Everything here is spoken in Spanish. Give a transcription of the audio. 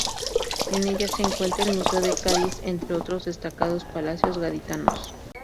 En ella se encuentra el Museo de Cádiz, entre otros destacados palacios gaditanos.